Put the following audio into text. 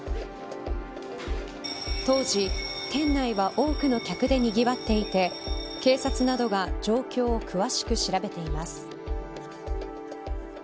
当時、店内は多くの客でにぎわっていて警察などが状況を詳しく調べています。